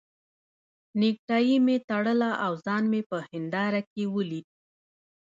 نېکټایي مې تړله او ځان مې په هنداره کې ولید.